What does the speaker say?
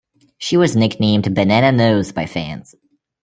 She was nicknamed "Banana-Nose" by fans.